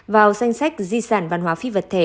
vào danh sách di sản văn hóa phi vật thể